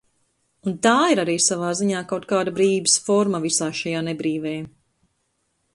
Un tā ir arī savā ziņā kaut kāda brīvības forma visā šajā nebrīvē.